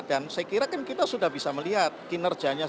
dan saya kira kan kita sudah bisa melihat kinerjanya